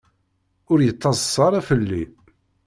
Ur yettaḍsa ara fell-i.